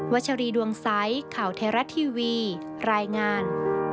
ชัชรีดวงใสข่าวไทยรัฐทีวีรายงาน